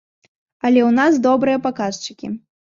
Але ў нас добрыя паказчыкі.